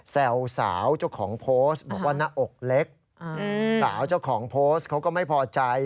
แซวสาวเจ้าของโพสต์บอกว่าหน้าอกเล็กสาวเจ้าของโพสต์เขาก็ไม่พอใจ